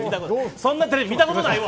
そんなテレビ見たことないわ！